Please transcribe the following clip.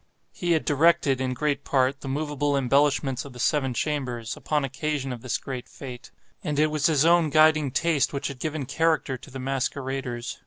He had directed, in great part, the moveable embellishments of the seven chambers, upon occasion of this great fête; and it was his own guiding taste which had given character to the masqueraders.